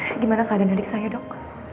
bagaimana keadaan adik saya dok